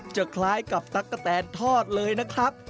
จะคล้ายกับตั๊กกะแตนทอดเลยนะครับ